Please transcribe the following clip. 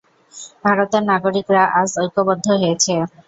ভারতের নাগরিকরা আজ ঐক্যবদ্ধ হয়েছে।